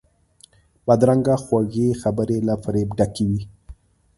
بدرنګه خوږې خبرې له فریب ډکې وي